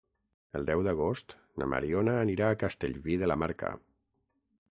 El deu d'agost na Mariona anirà a Castellví de la Marca.